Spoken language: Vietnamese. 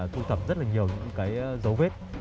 thu thập rất là nhiều những cái dấu vết